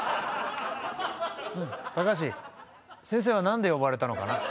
うん高橋先生は何で呼ばれたのかな？